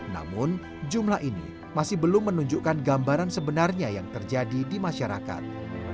namun jumlah ini masih belum menunjukkan gambaran sebenarnya yang terjadi di masyarakat